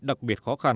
đặc biệt khó khăn